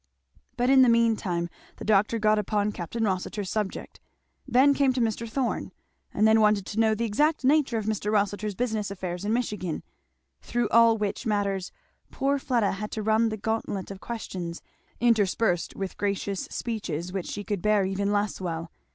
But in the mean time the doctor got upon Capt. Rossitur's subject; then came to Mr. Thorn; and then wanted to know the exact nature of Mr. Rossitur's business affairs in Michigan; through all which matters poor Fleda had to run the gauntlet of questions, interspersed with gracious speeches which she could bear even less well.